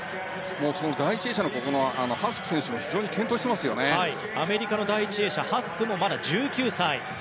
第１泳者のハスク選手もアメリカの第１泳者ハスクもまだ１９歳。